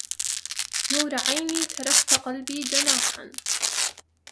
نور عيني تركت قلبي جناحا